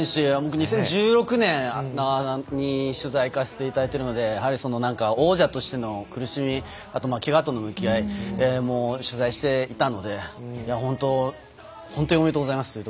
２０１６年に取材に行かせていただいているのでやはり王者としての苦しみ、あとけがとの向き合いも取材していたので本当、本当におめでとうございます